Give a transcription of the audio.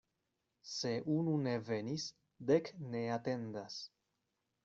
Se unu ne venis, dek ne atendas.